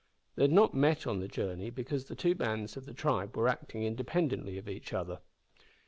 They had not met on the journey, because the two bands of the tribe were acting independently of each other.